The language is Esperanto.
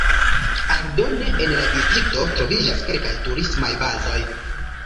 Aldone en la distrikto troviĝas kelkaj turismaj bazoj.